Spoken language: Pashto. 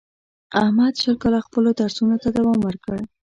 احمد شل کاله خپلو درسونو ته دوام ورکړ.